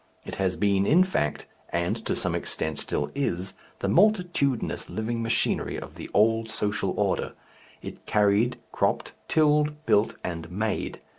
It has been, in fact and to some extent still is the multitudinous living machinery of the old social order; it carried, cropped, tilled, built, and made.